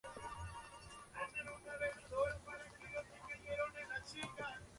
Ejerce como profesor de lengua y literatura gallega en la enseñanza secundaria.